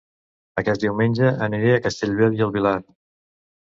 Aquest diumenge aniré a Castellbell i el Vilar